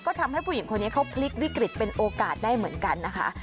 ก็ทำให้ผู้หญิงคนนี้เขาพลิกวิกฤตเป็นโอกาสได้เหมือนกันนะคะ